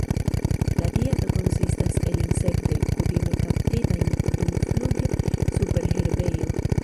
La dieto konsistas el insektoj, kutime kaptitajn dumfluge super herbejo.